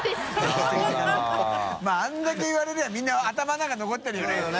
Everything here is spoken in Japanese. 泙あれだけ言われればみんな頭の中残ってるよね。